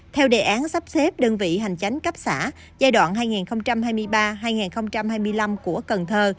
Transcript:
theo đề án sắp xếp đơn vị hành chánh cấp xã giai đoạn hai nghìn hai mươi ba hai nghìn hai mươi năm của cần thơ